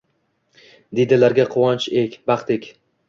Diydalarga quvonch ek, baxt ek.